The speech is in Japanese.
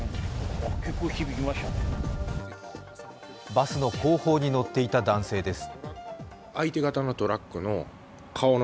バスの後方に乗っていた男性です。